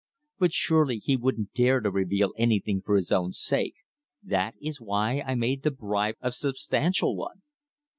"But surely he won't dare to reveal anything for his own sake. That is why I made the bribe a substantial one."